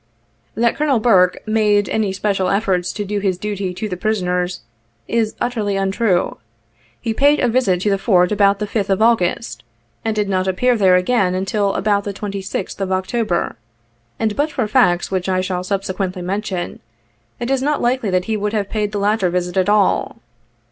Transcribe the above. That Colonel Burke made any special efforts to do his duty to the prisoners, is utterly untrue. He paid a visit to the Fort about the 5th of August, and did not appear there again until about the 26th of October, and but for facts which I shall subsequently mention, it is not likely that he would have paid the latter visit at all.